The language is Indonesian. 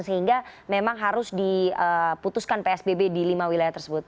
sehingga memang harus diputuskan psbb di lima wilayah tersebut